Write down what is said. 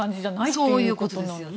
そういうことですよね。